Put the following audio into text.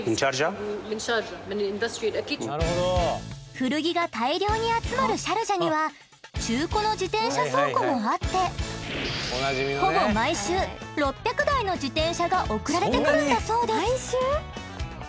古着が大量に集まるシャルジャには中古の自転車倉庫もあってほぼ毎週６００台の自転車が送られてくるんだそうです。